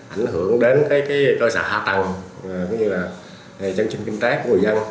ảnh hưởng đến cơ sở hạ tầng như là chân chung kinh tế của người dân